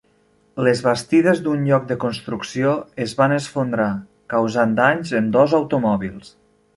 Les bastides d'un lloc de construcció es van esfondrar, causant danys en dos automòbils.